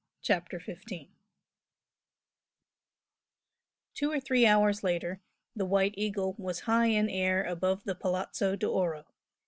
CHAPTER XV Two or three hours later the "White Eagle" was high in air above the Palazzo d'Oro.